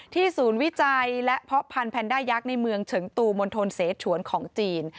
ศูนย์วิจัยและเพาะพันธแนนด้ายักษ์ในเมืองเฉิงตูมณฑลเสฉวนของจีน